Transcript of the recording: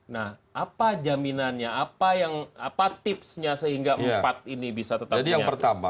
nah apa jaminannya apa yang tipsnya sehingga empat ini bisa tetap bertambah